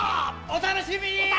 お楽しみにー！